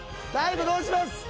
大悟どうします？